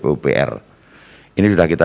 pupr ini sudah kita